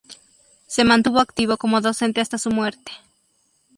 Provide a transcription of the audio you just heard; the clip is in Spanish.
Se mantuvo activo como docente hasta su muerte.